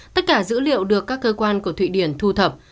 tất cả dữ liệu được các cơ quan của thụy điển thu thập